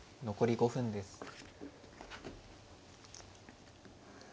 残り５分です。